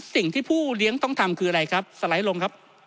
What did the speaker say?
สิ่งที่ผู้เลี้ยงต้องทำคืออะไรครับสไลด์ลงครับ